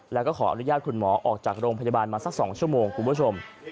แล้วก็ขออนุญาตคุณหมอออกจากโรงพยาบาลมาสัก๒ชั่วโมงคุณผู้ชม